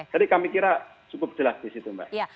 jadi kami kira cukup jelas di situ mbak